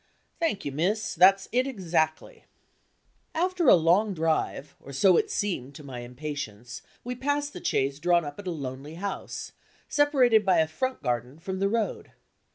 "Thank you, miss. That's it exactly." After a long drive, or so it seemed to my impatience, we passed the chaise drawn up at a lonely house, separated by a front garden from the road.